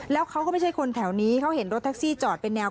แล้วเขาก็ไม่ใช่คนแถวนี้เขาเห็นรถแท็กซี่จอดเป็นแนว